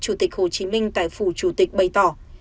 chủ tịch hồ chí minh tại phủ chủ tịch bày tỏ